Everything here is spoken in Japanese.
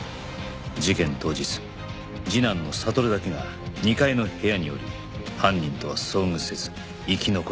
事件当日次男の悟だけが２階の部屋におり犯人とは遭遇せず生き残る